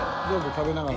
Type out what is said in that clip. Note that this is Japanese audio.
食べながら。